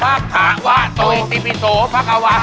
จัดสะพะคาวะไต่สี่ผิดโสภะกาวะ